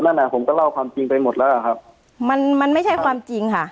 นั่นอ่ะผมก็เล่าความจริงไปหมดแล้วอ่ะครับมันมันไม่ใช่ความจริงค่ะ